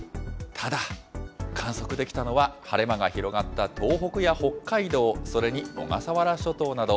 ただ、観測できたのは、晴れ間が広がった東北や北海道、それに小笠原諸島など。